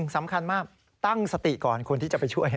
สำคัญมากตั้งสติก่อนคนที่จะไปช่วย